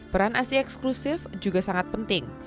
peran asi eksklusif juga sangat penting